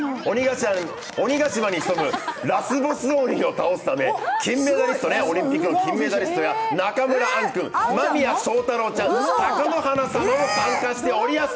鬼ヶ島にひそむラスボス鬼を倒すためオリンピックの金メダリストや中村アン君、間宮祥太朗ちゃん、貴乃花さんも参加しておりやす。